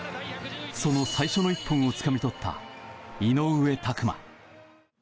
その最初の１本をつかみ取った井上拓真。